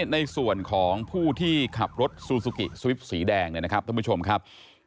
ในส่วนของผู้ที่ขับรถซูซูกิสวิปสีแดงเนี่ยนะครับท่านผู้ชมครับ